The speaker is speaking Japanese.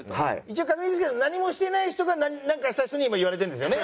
一応確認ですけど何もしてない人がなんかした人に今言われてるんですよね？